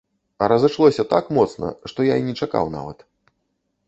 А разышлося так моцна, што я і не чакаў нават.